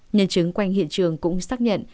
nhân chứng quanh hiện trường cũng xác nhận